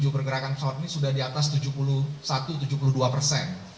tujuh pergerakan pesawat ini sudah di atas tujuh puluh satu tujuh puluh dua persen